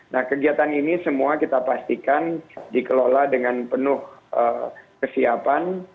nah kegiatan ini semua kita pastikan dikelola dengan penuh kesiapan